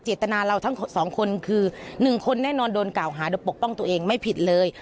ตนาเราทั้งสองคนคือ๑คนแน่นอนโดนกล่าวหาโดยปกป้องตัวเองไม่ผิดเลย